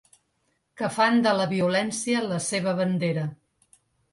Que fan de la violència la seva bandera.